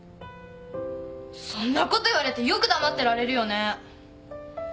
そんなこと言われてよく黙ってられるよね。